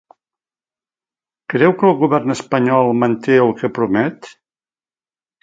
Creu que el govern espanyol manté el que promet?